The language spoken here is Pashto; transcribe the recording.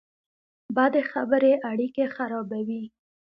بدې خبرې اړیکې خرابوي